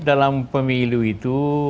dalam pemilu itu